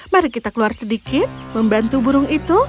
mari kita keluar sedikit membantu burung itu